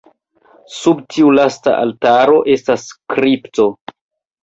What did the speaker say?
Sub tiu lasta altaro estas kripto.